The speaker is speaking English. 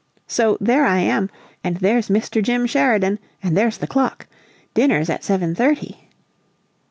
So there I am, and there's Mr. Jim Sheridan and there's the clock. Dinner's at seven thirty!"